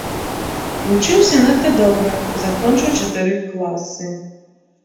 Вучыўся надта добра, закончыў чатыры класы.